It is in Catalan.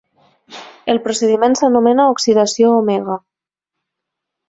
El procediment s'anomena oxidació omega.